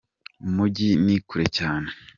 Mu munjyi nikure cyane.